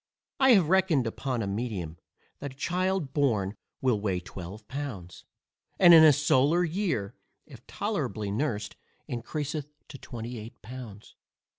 I have reckoned upon a medium, that a child just born will weigh 12 pounds, and in a solar year, if tolerably nursed, encreaseth to 28 pounds.